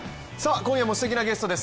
今夜も素敵なゲストです。